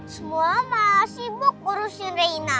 semua mama sibuk urusin rena